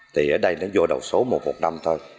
thì ở đây nó vô đầu số một trăm một mươi năm thôi